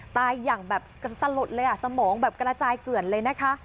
ตายอย่างแบบสลดเลยอ่ะสมองแบบกระจายเกลือนเลยนะคะ